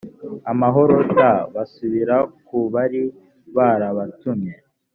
amahoro t basubira ku bari barabatumye